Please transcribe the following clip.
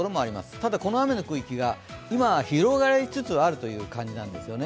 ただこの雨の区域が今、広がりつつあるという感じなんですよね。